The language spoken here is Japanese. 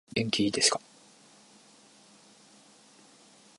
元気いですか